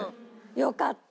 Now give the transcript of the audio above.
よかった。